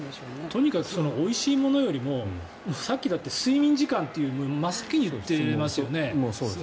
とにかくおいしいものよりもさっきも睡眠時間というのを真っ先に言ってますよね。